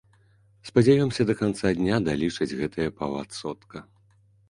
Спадзяёмся, да канца дня далічаць гэтыя паўадсотка.